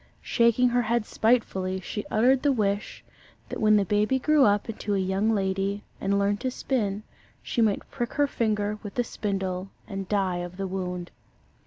Shaking her head spitefully, she uttered the wish that when the baby grew up into a young lady, and learned to spin, she might prick her finger with the spindle and die of the wound.